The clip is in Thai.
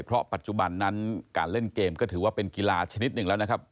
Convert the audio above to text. เพราะปัจจุบันนั้นการเล่นเกมก็ถือว่าเป็นกีฬาชนิดหนึ่งแล้วนะครับ